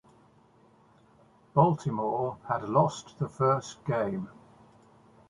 Baltimore had lost the first game.